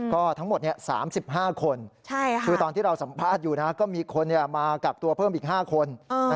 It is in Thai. ก็ทั้งหมด๓๕คนคือตอนที่เราสัมภาษณ์อยู่ก็มีคนมากักตัวเพิ่มอีก๕คน